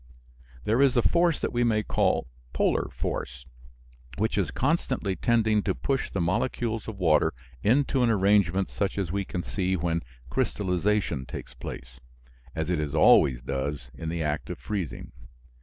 There is a force that we may call polar force, which is constantly tending to push the molecules of water into an arrangement such as we see when crystallization takes place as it always does in the act of freezing.